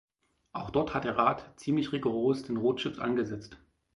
Auch dort hat der Rat ziemlich rigoros den Rotstift angesetzt.